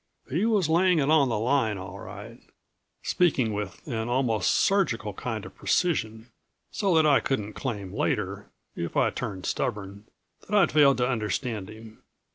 He was laying it on the line, all right, speaking with an almost surgical kind of precision, so that I couldn't claim later if I turned stubborn that I'd failed to understand him.